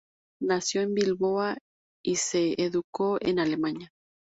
Nació en Bilbao y se educó en Alemania.